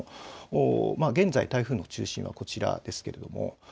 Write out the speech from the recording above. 現在、台風の中心はこちらです。